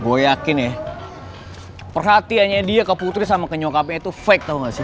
gue yakin ya perhatiannya dia ke putri sama ke nyokapnya itu fact tau gak sih